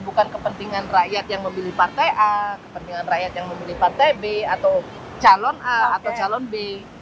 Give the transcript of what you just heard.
bukan kepentingan rakyat yang memilih partai a kepentingan rakyat yang memilih partai b atau calon a atau calon b